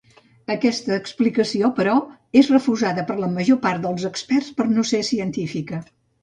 Aquesta explicació, però, és refusada per la major part dels experts per no ser científica.